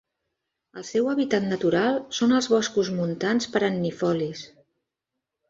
El seu hàbitat natural són els boscos montans perennifolis.